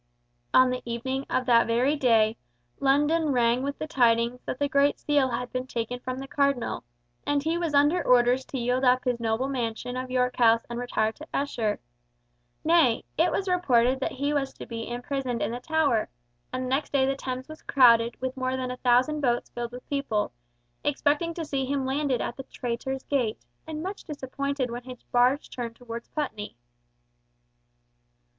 On the evening of that very day, London rang with the tidings that the Great Seal had been taken from the Cardinal, and that he was under orders to yield up his noble mansion of York House and to retire to Esher; nay, it was reported that he was to be imprisoned in the Tower, and the next day the Thames was crowded with more than a thousand boats filled with people, expecting to see him landed at the Traitors' Gate, and much disappointed when his barge turned towards Putney.